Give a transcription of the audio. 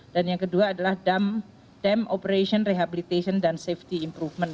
dan yang kedua adalah dam operation rehabilitation and safety improvement